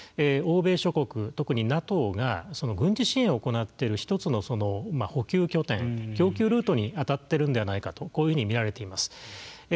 欧米諸国特にＮＡＴＯが軍事支援を行っている一つの補給拠点供給ルートに当たっているのではないかとこういうふうに見られています。